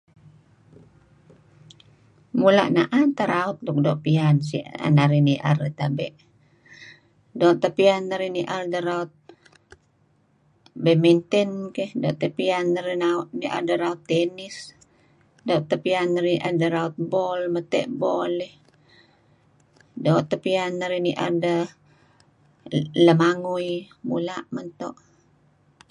Mula' naan teh lagu pian tuen narih nier tabe'. Doo' teh pian narih nier deh raut badminton, doo' teh pian narih nier deh raut tennis, doo' teh pian narih nier deh raut bol iih. Doo' teh pian narih nier deh lemangui. Mula' mento'.